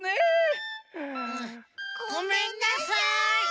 ごめんなさい。